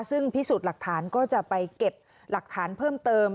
ซึ่งพิสูจน์หลักฐานก็จะไปเก็บหลักฐานเพิ่มเติม